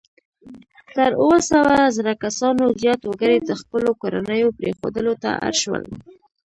تر اووه سوه زره کسانو زیات وګړي د خپلو کورنیو پرېښودلو ته اړ شول.